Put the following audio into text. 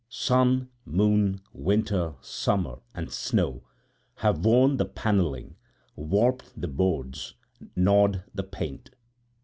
Sun, moon, winter, summer, and snow have worn the paneling, warped the boards, gnawed the paint.